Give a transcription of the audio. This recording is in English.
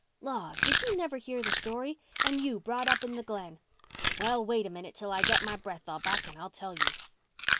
"Laws, did you never hear the story? And you brought up in the Glen. Well, wait a minute till I get by breath all back and I'll tell you."